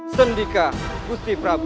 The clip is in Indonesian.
sendika gusti prabu